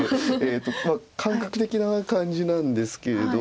まあ感覚的な感じなんですけれど。